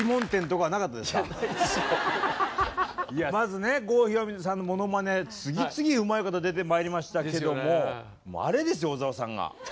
まずね郷ひろみさんのものまね次々うまい方出てまいりましたけどももうあれですよ小沢さんが。